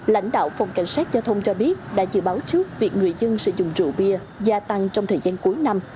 lãnh đạo phòng cảnh sát giao thông cho biết đã dự báo trước việc người dân sử dụng rượu bia gia tăng trong thời gian cuối năm